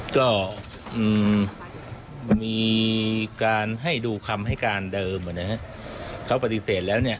ก็มีการให้ดูคำให้การเดิมเขาปฏิเสธแล้ว